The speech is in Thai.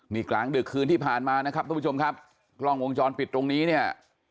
นี่กลางดึกคืนที่ผ่านมานะครับทุกผู้ชมครับกล้องวงจรปิดตรงนี้เนี่ย